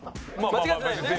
間違ってないよね？